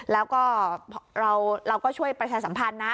แล้วก็เราก็ช่วยประชาสัมพันธ์นะ